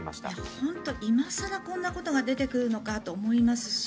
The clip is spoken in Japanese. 本当に今更こんな話が出てくるのかと思いますし